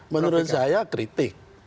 menurut saya kritik